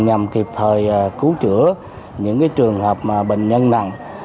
nhằm kịp thời cứu chữa những trường hợp bệnh nhân nặng